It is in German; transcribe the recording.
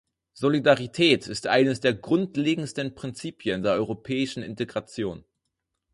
Solidarität ist eines der grundlegendsten Prinzipien der europäischen Integration.